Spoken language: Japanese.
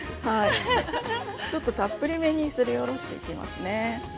ちょっとたっぷりめにすりおろしていきますね。